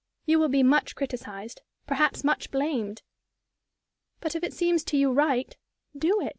You will be much criticised, perhaps much blamed. But if it seems to you right, do it.